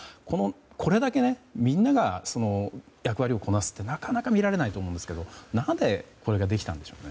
これだけみんなが役割をこなすってなかなか見られないと思いますが何でこれができたんでしょうか。